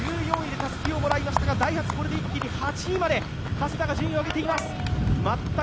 １４位でたすきをもらいましたがダイハツこれで一気に８位まで加世田が順位を上げています。